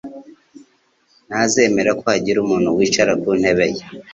Ntazemera ko hagira umuntu wicara ku ntebe ye